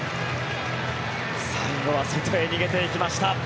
最後は外へ逃げていきました。